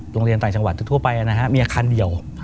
โรงเรียนต่างจังหวัดทั่วไปมีอาคารเดียว